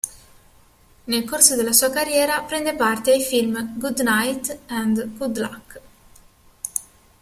Nel corso della sua carriera prende parte ai film "Good Night, and Good Luck.